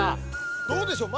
どうでしょう？